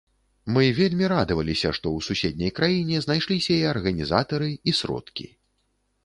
Мы вельмі радаваліся што ў суседняй краіне знайшліся і арганізатары і сродкі.